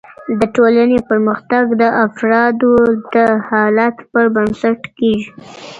د ټولني پرمختګ د افرادو د حالت پر بنسټ کیږي.